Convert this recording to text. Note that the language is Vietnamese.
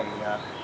đóng góp tích cực